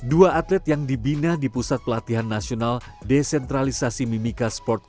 dua atlet yang dibina di pusat pelatihan nasional desentralisasi mimika sports